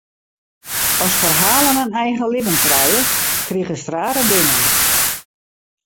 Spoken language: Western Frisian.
As ferhalen in eigen libben krije, krigest rare dingen.